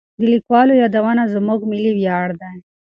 د لیکوالو یادونه زموږ ملي ویاړ دی.